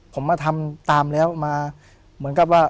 ผมมาทำตามแล้วมาเหมือนกับว่า